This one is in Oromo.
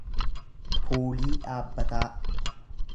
puulii dhaabbataa